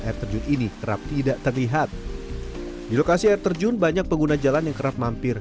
air terjun ini kerap tidak terlihat di lokasi air terjun banyak pengguna jalan yang kerap mampir